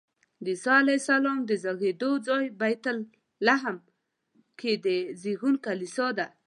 د عیسی علیه السلام د زېږېدو ځای بیت لحم کې د زېږون کلیسا ده.